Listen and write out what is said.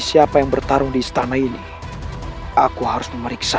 siapa yang bertarung di istana ini aku harus memeriksa